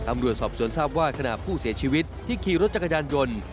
ตำรวจสอบสวนทราบว่าขณะผู้เสียชีวิตที่ขี่รถจักรยานยนต์